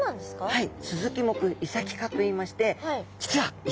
はい。